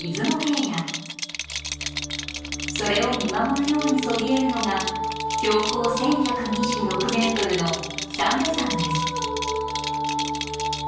それを見守るようにそびえるのが標高１，１２６ｍの三瓶山です